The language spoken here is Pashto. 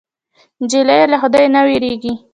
نجلۍ له خدای نه وېرېږي.